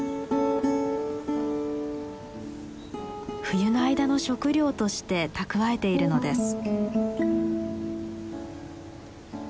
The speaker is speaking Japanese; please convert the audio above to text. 冬の間の食料として蓄えているのです。